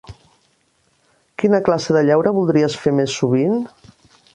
Quina classe de lleure voldries fer més sovint?